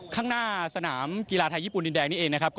ข้างหน้าสนามกีฬาไทยญี่ปุ่นดินแดงนี่เองนะครับ